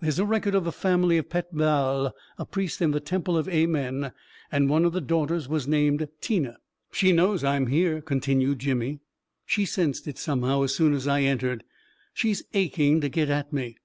There is a record of the family of Pet Baal, a priest in the temple of Amen, and one of the daughters was named Tina." " She knows I am here," continued Jimmy; " she sensed it, somehow, as soon as I entered. She's aching to get at me